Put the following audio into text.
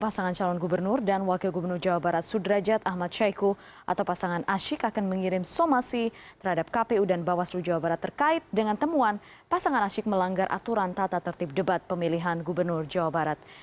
pasangan calon gubernur dan wakil gubernur jawa barat sudrajat ahmad syaiqo atau pasangan asyik akan mengirim somasi terhadap kpu dan bawaslu jawa barat terkait dengan temuan pasangan asyik melanggar aturan tata tertib debat pemilihan gubernur jawa barat